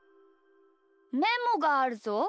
メモがあるぞ？